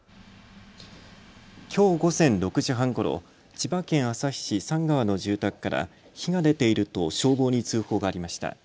きょう午前６時半ごろ千葉県旭市三川の住宅から火が出ていると消防に通報がありました。